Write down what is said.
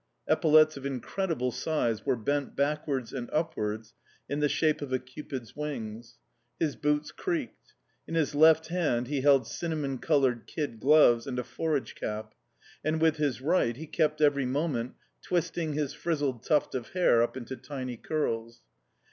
Epaulettes of incredible size were bent backwards and upwards in the shape of a cupid's wings; his boots creaked; in his left hand he held cinnamon coloured kid gloves and a forage cap, and with his right he kept every moment twisting his frizzled tuft of hair up into tiny curls.